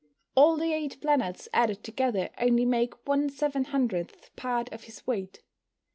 All the eight planets added together only make one seven hundredth part of his weight.